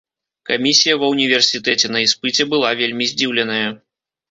Камісія ва ўніверсітэце на іспыце была вельмі здзіўленая.